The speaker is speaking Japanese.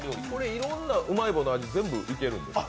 いろんなうまい棒の味、全部いけるんですか？